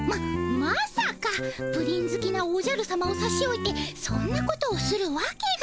プリンずきなおじゃるさまをさしおいてそんなことをするわけが。